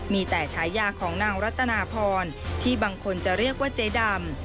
มีแต่ฉายาของนางรัตนาพรที่บางคนจะเรียกว่าเจ๊ดำ